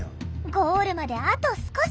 ゴールまであと少し。